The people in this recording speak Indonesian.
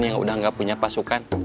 yang udah gak punya pasukan